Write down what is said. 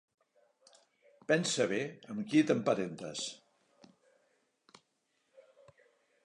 Pensa bé amb qui t'emparentes!